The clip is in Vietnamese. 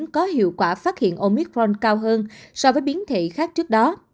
có hiệu quả phát hiện omitron cao hơn so với biến thể khác trước đó